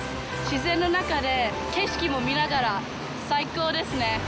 自然の中で、景色も見ながら最高ですね。